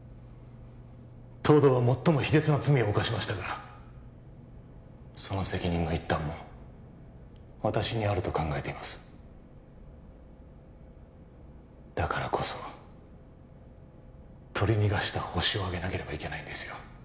東堂は最も卑劣な罪を犯しましたがその責任の一端も私にあると考えていますだからこそ取り逃がしたホシをあげなければいけないんですよ